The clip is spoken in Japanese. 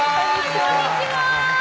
こんにちは